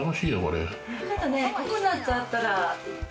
ココナツあったら。